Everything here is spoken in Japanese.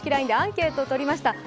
ＬＩＮＥでアンケートを取りました。